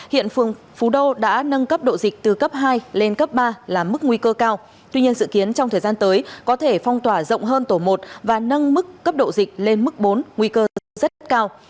hiện phường phú đô đã nâng cấp độ dịch từ cấp hai lên cấp ba là mức nguy cơ cao tuy nhiên dự kiến trong thời gian tới có thể phong tỏa rộng hơn tổ một và nâng mức cấp độ dịch lên mức bốn nguy cơ lây rất cao